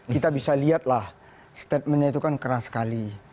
kita bisa lihatlah statementnya itu kan keras sekali